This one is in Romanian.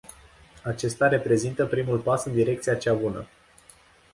Acesta reprezintă primul pas în direcția cea bună.